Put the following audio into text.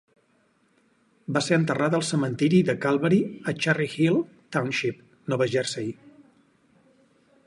Va ser enterrat al cementiri de Calvary a Cherry Hill Township, Nova Jersey.